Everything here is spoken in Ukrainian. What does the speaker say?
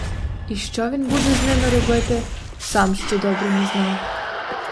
І що він буде з ними робити — сам ще добре не знав.